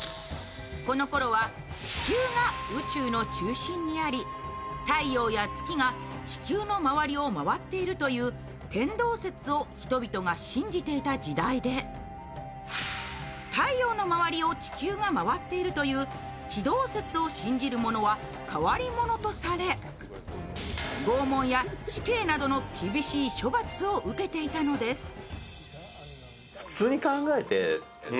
このころは、地球が宇宙の中心にあり太陽や月が地球の周りを回っているという天動説を人々が信じていた時代で太陽の周りを地球が回っているという地動説を信じる者は変わり者とされ拷問や死刑などの厳しい処罰を受けていたのです。